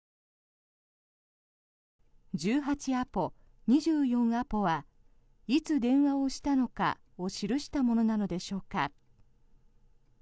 「１８アポ」、「２４アポ」はいつ電話をしたのかを記したものなのでしょうか。